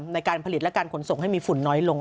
ในการผลิตและการขนส่งให้มีฝุ่นน้อยลง